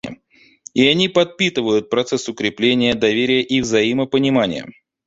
И они подпитывают процесс укрепления доверия и взаимопонимания.